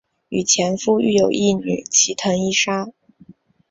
与前夫育有一女齐藤依纱。